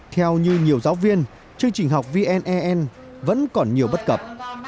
theo như nhiều giáo viên chương trình học vne vẫn còn nhiều bất cập